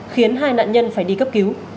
khiến hai nạn nhân phải đi cấp cứu